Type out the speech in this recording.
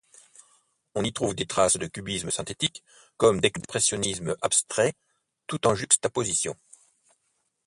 On y trouve des traces de cubisme synthétique, comme d'expressionnisme abstrait, tout en juxtaposition.